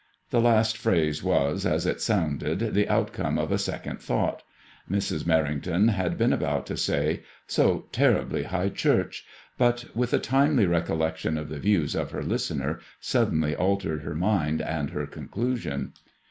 The last phrase was, as it sounded, the outcome of a second thought. Mrs. Merrington had been about to say, So terribly High Church," but with a timely recollection of the views of her listener, suddenly altered her odnd and her conclusion.